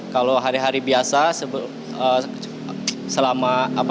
kalau hari hari biasa selama